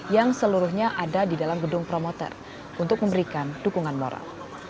yang seluruhnya ada di dalam gedung promoter untuk memberikan dukungan moral